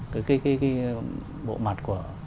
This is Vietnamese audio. cái bộ mặt